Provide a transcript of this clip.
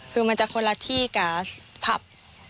คือมันจะคนละที่กับผับ